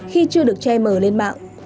khi chưa được che mở lên mạng